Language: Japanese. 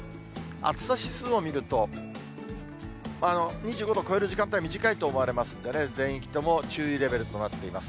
暑さ指数を見ると、２５度を超える時間帯、短いと思われますんでね、全域とも注意レベルとなっています。